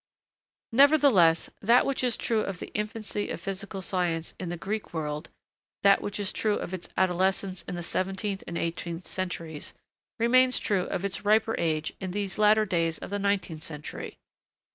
Nevertheless, that which is true of the infancy of physical science in the Greek world, that which is true of its adolescence in the seventeenth and eighteenth centuries, remains true of its riper age in these latter days of the nineteenth century.